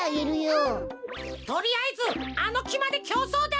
とりあえずあのきまできょうそうだ！